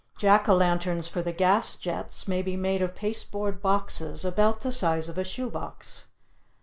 Jack o' lanterns for the gas jets may be made of paste board boxes about the size of a shoe box.